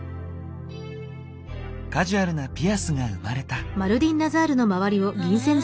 カジュアルなピアスが生まれた。